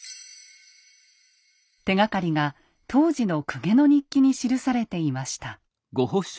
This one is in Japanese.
手がかりが当時の公家の日記に記されていました。